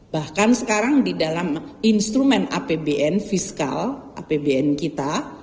bahkan sekarang di dalam instrumen apbn fiskal apbn kita